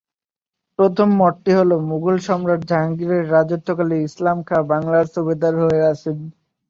প্রথম মতটি হলো- মুঘল সম্রাট জাহাঙ্গীরের রাজত্বকালে ইসলাম খাঁ বাংলার সুবেদার হয়ে আসেন।